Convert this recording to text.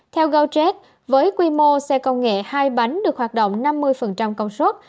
theo gojet với quy mô xe công nghệ hai bánh được hoạt động năm mươi công suất